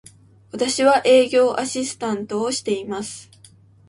私は、営業アシスタントをしています。